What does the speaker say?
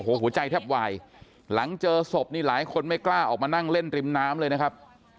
หัวใจแทบวายหลังเจอศพนี่หลายคนไม่กล้าออกมานั่งเล่นริมน้ำเลยนะครับ